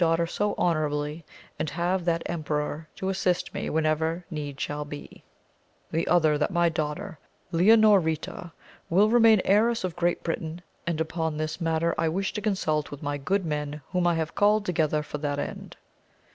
daughter so honourably, and have that em peror to assist me whenever need shall be ; the other, that my daughter Leonoreta will remain heiress of Great Britain, and upon this matter I wish to consult with my good men whom I have called together for that end.